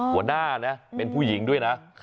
หัวหน้านะเป็นผู้หญิงด้วยนะ